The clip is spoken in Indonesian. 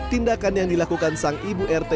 tindakan yang dilakukan sang ibu rt